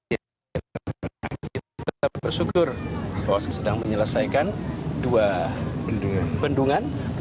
jadi kita tetap bersyukur bahwa saya sedang menyelesaikan dua bendungan